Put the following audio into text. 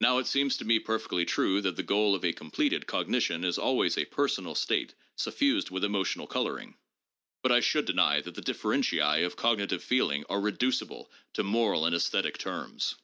Now it seems to me perfectly true that the goal of a completed cognition is always a personal state suffused with emotional coloring. But I should deny that the differentia of cognitive feeling are reducible to moral and esthetic terms.